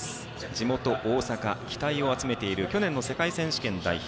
地元・大阪、期待を集めている去年の世界選手権代表